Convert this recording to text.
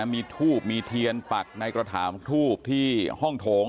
มีทูบมีเทียนปักในกระถางทูบที่ห้องโถง